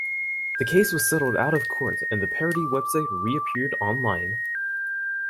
The case was settled out-of-court and the parody web site re-appeared online.